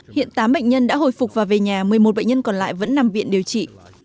hiện tám bệnh nhân đã hồi phục và về nhà một mươi một bệnh nhân còn lại vẫn nằm viện điều trị